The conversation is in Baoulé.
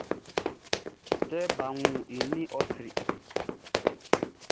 Kɛ baʼn wun i ninʼn, ɔ sri.